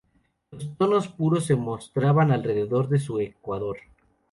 Los tonos puros se mostraban alrededor de su ecuador.